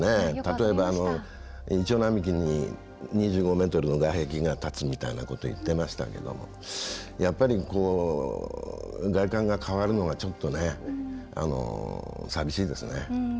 例えば、イチョウ並木に２５ｍの外壁が建つみたいなこと言っていましたけどやっぱり、外観が変わるのはちょっとね、寂しいですね。